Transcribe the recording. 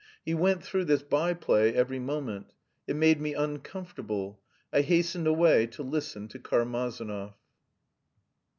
He went through this by play every moment. It made me uncomfortable. I hastened away to listen to Karmazinov.